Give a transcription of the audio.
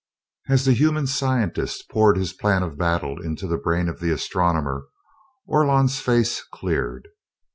As the human scientist poured his plan of battle into the brain of the astronomer, Orlon's face cleared.